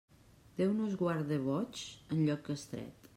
Déu nos guard de boigs, en lloc estret.